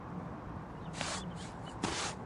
是日本的日本电视动画的作品。